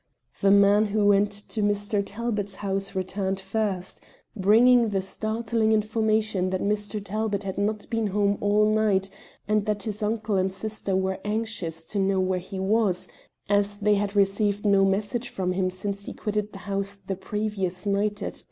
The man who went to Mr. Talbot's house returned first, bringing the startling information that Mr. Talbot had not been home all night, and that his uncle and sister were anxious to know where he was, as they had received no message from him since he quitted the house the previous night at 10.